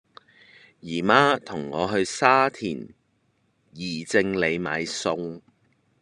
姨媽同我去沙田宜正里買餸